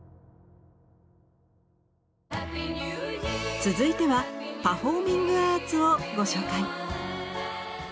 続いてはパフォーミングアーツをご紹介。